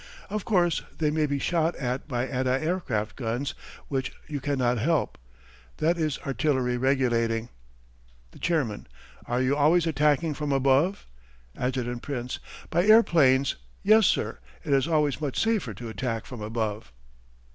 Of course, they may be shot at by anti aircraft guns, which you can not help. That is artillery regulating. The Chairman: Are you always attacked from above? Adjt. Prince: By airplanes; yes, sir. It is always much safer to attack from above.